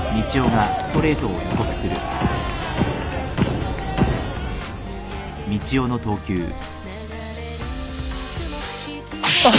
あっ。